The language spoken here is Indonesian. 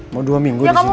mau dua minggu di sini